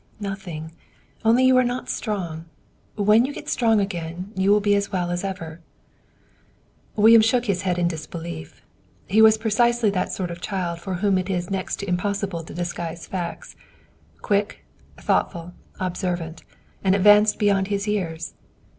"Nothing. Only you are not strong. When you get strong again, you will be as well as ever." William shook his head in disbelief. He was precisely that sort of child from whom it is next to impossible to disguise facts; quick, thoughtful, observant, and advanced beyond his years.